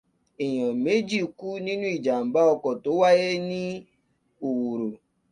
Èèyàn méjì kú nínú ìjàmbá ọkọ̀ tó wáyé ní Òwòrò.